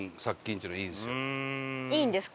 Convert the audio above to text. いいんですか？